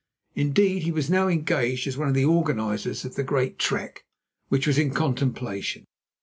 Indeed, he was now engaged as one of the organisers of the Great Trek which was in contemplation.